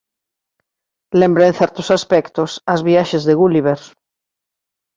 Lembra en certos aspectos ás "Viaxes de Gulliver".